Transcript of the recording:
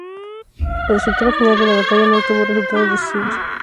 El resultado final de la batalla no tuvo resultados decisivos.